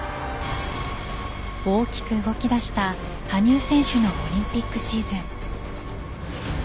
大きく動き出した羽生選手のオリンピックシーズン。